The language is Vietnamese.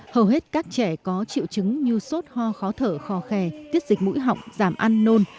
hầu hết các trẻ có triệu chứng như sốt ho khó thở khò khè tiết dịch mũi họng giảm ăn nôn